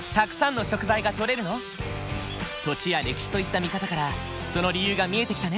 土地や歴史といった見方からその理由が見えてきたね。